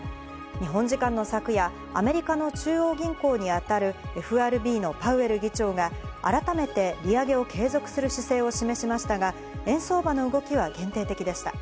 日本時間の昨夜、アメリカの中央銀行にあたるＦＲＢのパウエル議長が改めて利上げを継続する姿勢を示しましたが、円相場の動きは限定的でした。